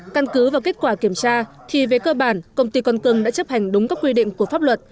căn cứ vào kết quả kiểm tra thì về cơ bản công ty con cưng đã chấp hành đúng các quy định của pháp luật